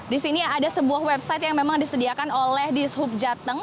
di sini ada sebuah website yang memang disediakan oleh dishub jateng